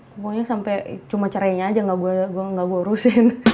pokoknya sampe cuma cerainya aja gue gak urusin